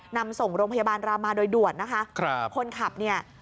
นำส่งโรงพยาบาลรามาโดยด่วนนะคะครับคนขับเนี่ย